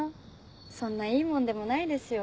そんないいもんでもないですよ。